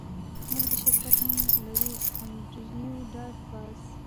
موږ د شرکت نوم لرو انډریو ډاټ باس